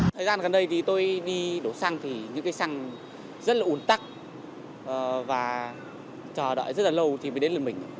thời gian gần đây thì tôi đi đổ xăng thì những cái xăng rất là ủn tắc và chờ đợi rất là lâu thì mới đến liên minh